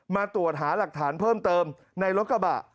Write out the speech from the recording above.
มาตรวจหาหลักฐานเพิ่มเติมในรถกระบะ